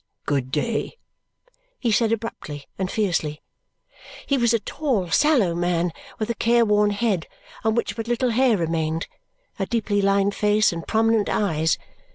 "Good day!" he said abruptly and fiercely. He was a tall, sallow man with a careworn head on which but little hair remained, a deeply lined face, and prominent eyes.